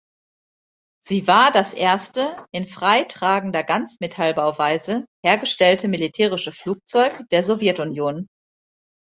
Sie war das erste in freitragender Ganzmetallbauweise hergestellte militärische Flugzeug der Sowjetunion.